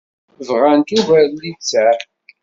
Bɣant ugar n littseɛ.